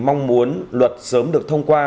mong muốn luật sớm được thông qua